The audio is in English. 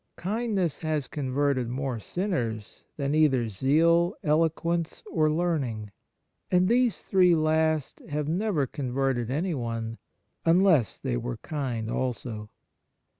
Kindness has converted more sinners than either zeal, eloquence, or learning ; and these three last have never converted anyone unless they were kind also.